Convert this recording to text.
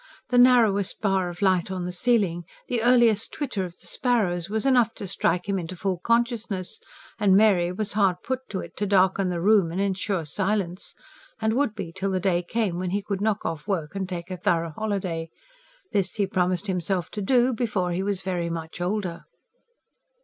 The narrowest bar of light on the ceiling, the earliest twitter of the sparrows was enough to strike him into full consciousness; and Mary was hard put to it to darken the room and ensure silence; and would be till the day came when he could knock off work and take a thorough holiday. This he promised himself to do, before he was very much older.